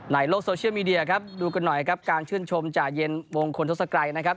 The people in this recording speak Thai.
ในโลกโซเชียลมีเดียครับดูกันหน่อยครับการชื่นชมจ่าเย็นวงคนทศกรัยนะครับ